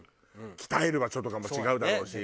鍛える場所とかも違うだろうし。